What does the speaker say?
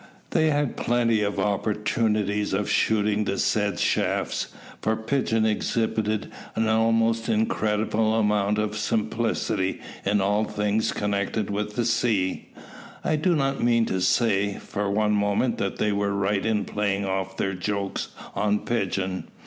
They had plenty of opportunities of shooting the said shafts, for Pigeon exhibited an almost incredible amount of simplicity in all things connected with the sea. I do not mean to say, for one moment, that they were right in playing off their jokes on Pigeon.